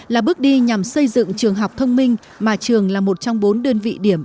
là bước đi nhằm xây dựng trường học thông minh mà trường là một trong bốn đơn vị điểm